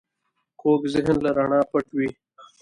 کوږ ذهن له رڼا پټ وي